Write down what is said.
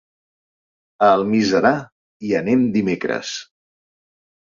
A Almiserà hi anem dimecres.